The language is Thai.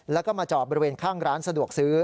แล้วก็มาจอดบริเวณข้างร้านสะดวกซื้อ